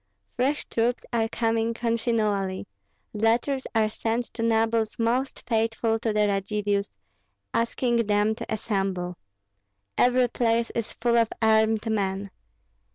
Fresh troops are coming continually; letters are sent to nobles most faithful to the Radzivills, asking them to assemble. Every place is full of armed men.